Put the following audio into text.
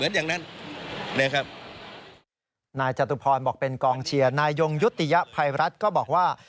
กรณีนี้ทางด้านของประธานกรกฎาได้ออกมาพูดแล้ว